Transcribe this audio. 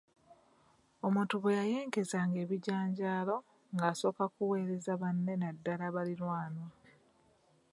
Omuntu bwe yayengezanga ebijanjaalo, ng’asooka kuweerezaako banne naddala baliraanwa.